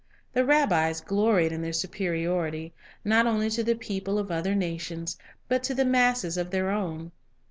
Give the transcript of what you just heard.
The rabbis gloried in their superiority, not only to the people of other nations, but to the masses of their own.